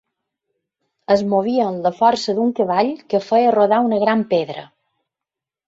Es movia amb la força d'un cavall, que feia rodar una gran pedra.